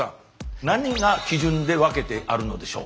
何が基準で分けてあるのでしょう？